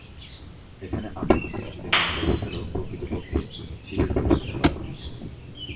’ এখানে আপাত দৃষ্টিতে নিন্দা বুঝালেও প্রকৃতপক্ষে শিবের প্রশংসা করা হয়েছে।